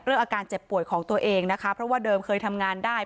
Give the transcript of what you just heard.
อาการเจ็บป่วยของตัวเองนะคะเพราะว่าเดิมเคยทำงานได้